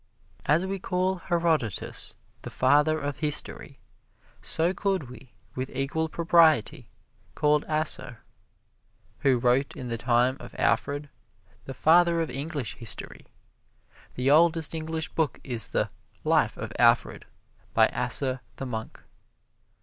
As we call Herodotus the father of history, so could we, with equal propriety, call Asser, who wrote in the time of Alfred, the father of English history. The oldest English book is the "Life of Alfred" by Asser the monk.